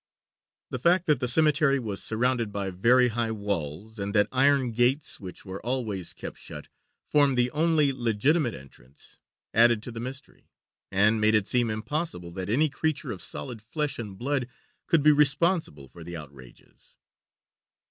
The fact that the cemetery was surrounded by very high walls, and that iron gates, which were always kept shut, formed the only legitimate entrance, added to the mystery, and made it seem impossible that any creature of solid flesh and blood could be responsible for the outrages.